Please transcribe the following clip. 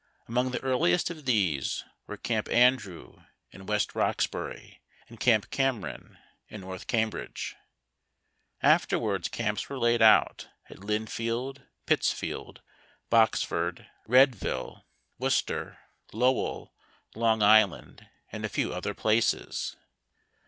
Among the earliest of these were Camp An drew, in West Roxbury, and Camp Cameron, in North Cam bridge. Afterwards camps were laid out at Lynnfield, Pitts field, Boxford, Readville, Worcester, Lowell, Long Island, and a few other places.